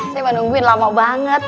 saya menungguin lama banget